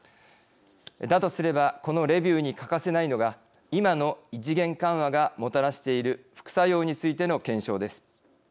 だとすればこのレビューに欠かせないのが今の異次元緩和がもたらしている副作用についての検証です。